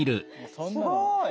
すごい。